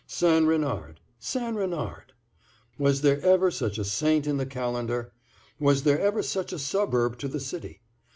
St. Renard—St. Renard; was there ever such a saint in the calendar? was there ever such a suburb to the city?